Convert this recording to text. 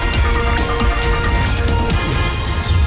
สวัสดีครับ